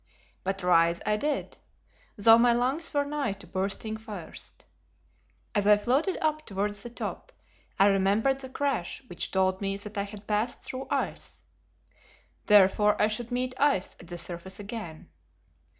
But rise I did, though my lungs were nigh to bursting first. As I floated up towards the top I remembered the crash, which told me that I had passed through ice. Therefore I should meet ice at the surface again.